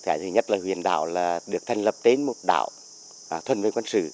thì cái thứ nhất là huyện đảo là được thành lập đến một đảo thuần với quân sự